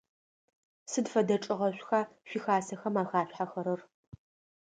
Сыд фэдэ чӏыгъэшӏуха шъуихьасэхэм ахашъулъхьэхэрэр?